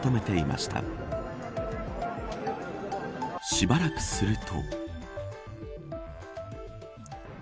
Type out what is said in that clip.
しばらくすると。